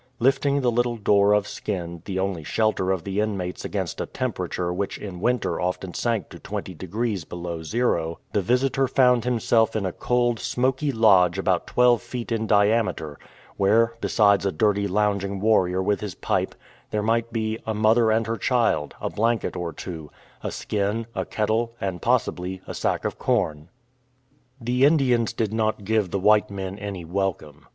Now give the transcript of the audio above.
Lifting the little door of skin, the only shelter of the inmates against a temperature which in winter often sank to twenty degrees below zero, the visitor found 216 "EAGLE HELP" himself in a cold, smoky lodge about twelve feet in diameter, where, besides a dirty lounging warrior with his pipe, there might be " a mother and her child, a blanket or two, a skin, a kettle, and possibly a sack of corn."" The Indians did not give the white men any welcome.